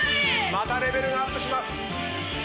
またレベルがアップします。